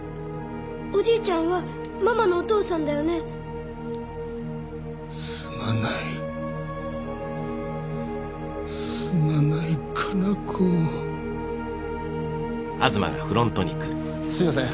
おじいちゃんはママのお父さんだよねすまないすまない加奈子すいません